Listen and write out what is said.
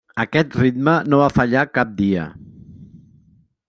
Aquest ritme no va fallar cap dia.